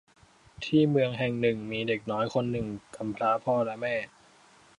ที่เมืองแห่งหนึ่งมีเด็กน้อยคนหนึ่งกำพร้าพ่อและแม่